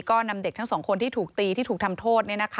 ก็นำเด็กทั้งสองคนที่ถูกตีที่ถูกทำโทษ